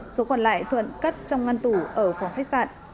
số còn lại thuận cất trong ngăn tủ ở phòng khách sạn